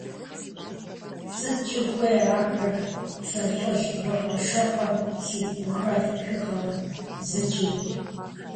СыткӀи хуей ахэр сэ лӀыжь быркъшыркъым си гухэлъ тхыгъэ? ЗыкӀи!